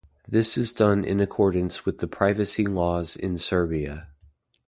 This is done in accordance with the privacy laws in Serbia.